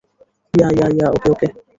Yeah, yeah, yeah, okay, okay.